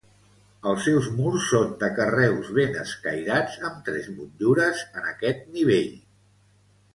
Els seus murs són de carreus ben escairats amb tres motllures en aquest nivell.